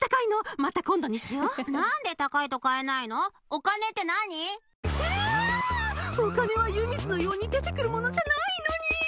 お金は湯水のように出てくるものじゃないのに！